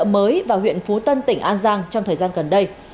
hành vi vi phạm pháp luật mới vào huyện phú tân tỉnh an giang trong thời gian gần đây